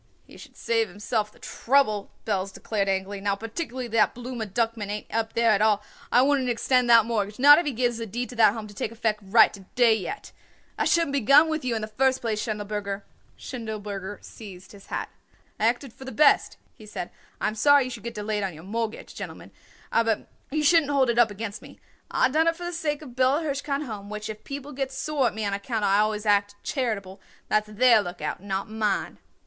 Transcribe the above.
"He should save himself the trouble," Belz declared angrily. "Now particularly that Blooma Duckman ain't up there at all, I wouldn't extend that mortgage, not if he gives a deed to that Home to take effect right to day yet. I shouldn't begun with you in the first place, Schindelberger." Schindelberger seized his hat. "I acted for the best," he said. "I am sorry you should get delayed on your mortgage, gentlemen, aber you shouldn't hold it up against me. I done it for the sake of the Bella Hirshkind Home, which if people gets sore at me on account I always act charitable, that's their lookout, not mine."